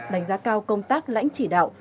đánh giá cao công tác lãnh chỉ đạo